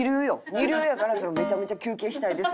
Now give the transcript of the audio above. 二流やから「めちゃめちゃ休憩したいです」